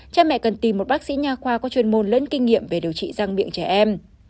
cha mẹ cần tìm một bác sĩ nhà khoa có chuyên môn lẫn kinh nghiệm về điều trị răng miệng trẻ em